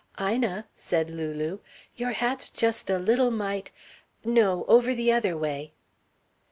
"Ina," said Lulu, "your hat's just a little mite no, over the other way."